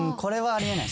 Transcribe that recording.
あり得ない？